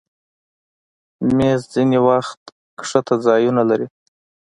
مېز ځینې وخت ښکته ځایونه لري.